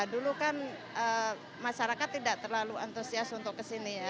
dulu kan masyarakat tidak terlalu antusias untuk kesini ya